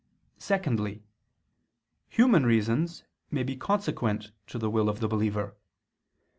Secondly, human reasons may be consequent to the will of the believer.